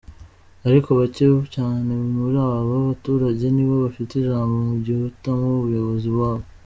Ariko bake cyane muri abo baturage nibo bafite ijambo mu guhitamo umuyobozi wabo.